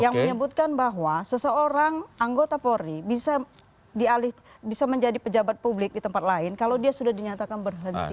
yang menyebutkan bahwa seseorang anggota polri bisa dialih bisa menjadi pejabat publik di tempat lain kalau dia sudah dinyatakan berhenti